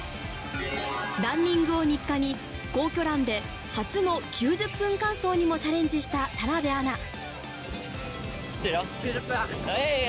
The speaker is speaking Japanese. ランニングを日課に皇居ランで初の９０分間走にもチャレンジした田辺アナ。